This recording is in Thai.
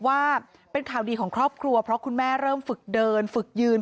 ว่าเป็นข่าวดีของครอบครัวเพราะคุณแม่เริ่มฝึกเดินฝึกยืน